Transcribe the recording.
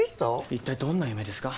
一体どんな夢ですか？